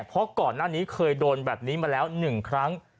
เพราะก่อนหน้านี้เคยโดนแบบนี้มาแล้ว๑ครั้ง